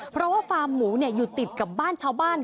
เพราะว่าฟาร์มหมูอยู่ติดกับบ้านชาวบ้าน